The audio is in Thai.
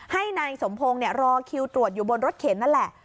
ให้นายสมพงศ์รอคิวตรวจอยู่บนรถเข็นนั่นแหละ